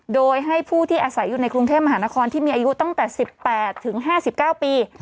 โดยให้ผู้ที่อาศัยอยู่ในกรุงเทพมหานครที่มีอายุตั้งแต่๑๘ถึง๕๙ปี